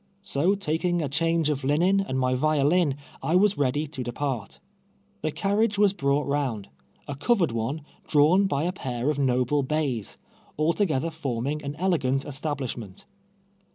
So taking a change of linen and my violin, I was ready to depart. The carriage was brought round — a covered one, drawn by a pair of noble bays, altogether forming an elegant establish ment.